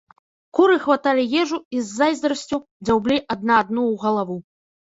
Куры хваталі ежу і з зайздрасцю дзяўблі адна адну ў галаву.